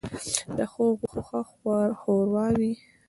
ـ د ښو غوښو ښه ښوروا وي.